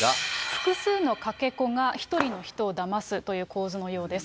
複数のかけ子が１人の人をだますという構図のようです。